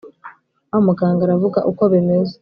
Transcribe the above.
wa muganga aravuga uko bimeze